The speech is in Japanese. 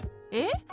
え？